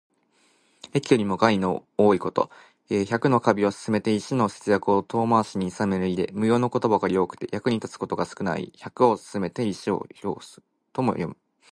益よりも害の多いこと。百の華美を勧めて一の節約を遠回しにいさめる意で、無用のことばかり多くて、役に立つことが少ない意。「百を勧めて一を諷す」とも読む。